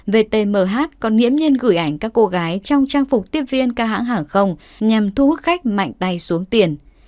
vtmh còn nghiễm nhiên gửi ảnh các cô gái trong trang phục tiếp viên các hãng hàng không nhằm thu hút khách mạnh tay xuống tiền